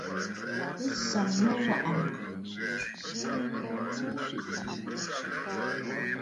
Bɨ sàŋ mə aŋwàʼànə̀.